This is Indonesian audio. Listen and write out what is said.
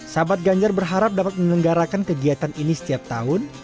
sahabat ganjar berharap dapat menyelenggarakan kegiatan ini setiap tahun